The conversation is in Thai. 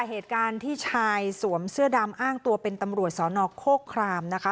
เหตุการณ์ที่ชายสวมเสื้อดำอ้างตัวเป็นตำรวจสนโคครามนะคะ